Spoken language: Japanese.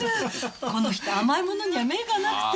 この人甘いものには目がなくて。